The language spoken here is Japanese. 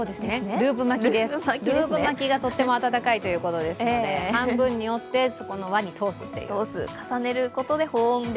ループ巻きがとても温かいということなので半分に折って輪に通すという。